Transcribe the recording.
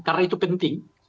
karena itu penting